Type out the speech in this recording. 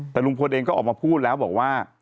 แต่ลุงพลเองก็ออกมาพูดแล้วบอกว่า